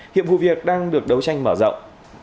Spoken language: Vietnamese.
hiệp vụ việc đang được đấu tranh mở rộng